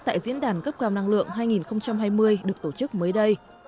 tại diễn đàn cấp cao năng lượng hai nghìn hai mươi được tổ chức mới đây